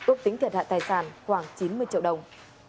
ước tính thiệt hại tài sản khoảng chín mươi triệu đồng